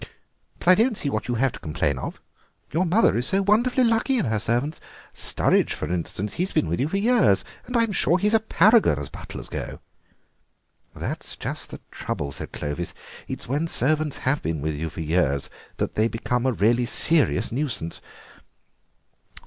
But I don't see what you have to complain of—your mother is so wonderfully lucky in her servants. Sturridge, for instance—he's been with you for years, and I'm sure he's a paragon as butlers go." "That's just the trouble," said Clovis. "It's when servants have been with you for years that they become a really serious nuisance.